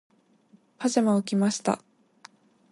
パジャマを着ました。